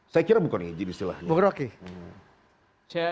saya kira bukan izin istilahnya